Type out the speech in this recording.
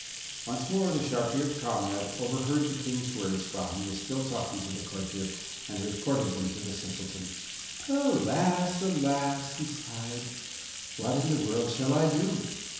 Once more the sharp eared comrade overheard the King's words while he was still talking to the courtier, and reported them to the Simpleton. 'Alas, alas!' he sighed; 'what in the world shall I do?